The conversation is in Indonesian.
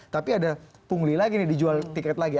tapi ada pungli lagi nih dijual tiket lagi